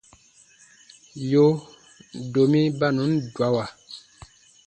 Yoo, domi ba nùn dwawa.